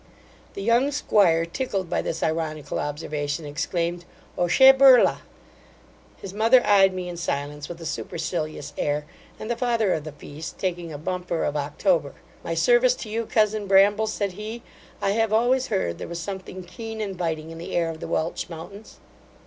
The young 'squire, tickled by this ironical observation, exclaimed, 'O che burla!' his mother eyed me in silence with a supercilious air; and the father of the feast, taking a bumper of October, 'My service to you, cousin Bramble (said he), I have always heard there was something keen and biting in the air of the Welch mountains.